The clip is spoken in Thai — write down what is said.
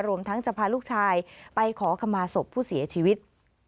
รวมทั้งจะพาลูกชายไปขอขมาศพผู้เสียชีวิต